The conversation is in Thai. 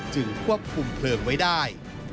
ควบคุมเพลิงไว้ได้